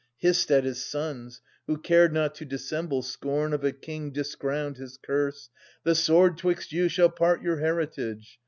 5.) Hissed at his sons, who cared not to dissemble Scorn of a king discrowned, his curse —* The sword 'Twixt you shall part your heritage